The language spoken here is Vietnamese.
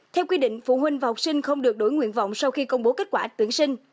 theo quy định phụ huynh và học sinh không được đổi nguyện vọng sau khi công bố kết quả tuyển sinh